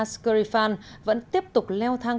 skorifan vẫn tiếp tục leo thang